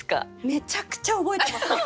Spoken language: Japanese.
めちゃくちゃ覚えてますよ。